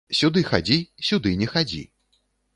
Сюды хадзі, сюды не хадзі.